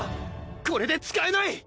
これで使えない！